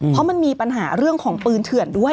เพราะมันมีปัญหาเรื่องของปืนเถื่อนด้วย